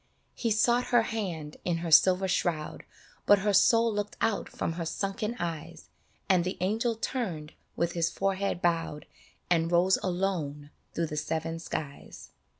" He sought her hand in her silver shroud But her soul looked out from her sunken eyes, And the angel turned with his forehead bowed And rose alone through the seven skies.